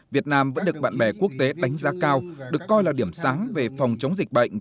việt nam vẫn được bạn bè quốc tế đánh giá cao được coi là điểm sáng về phòng chống dịch bệnh